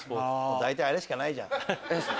大体あれしかないじゃん。